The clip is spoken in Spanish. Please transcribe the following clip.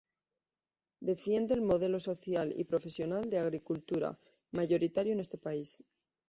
Defiende el modelo social y profesional de agricultura, mayoritario en este país.